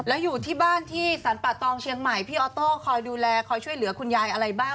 แล้วอยู่ที่บ้านที่สรรปะตองเชียงใหม่พี่ออโต้คอยดูแลคอยช่วยเหลือคุณยายอะไรบ้าง